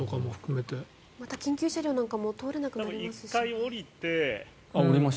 また緊急車両なんかも通れなくなりますし。